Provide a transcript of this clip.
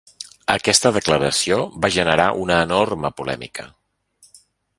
Aquesta declaració va generar una enorme polèmica.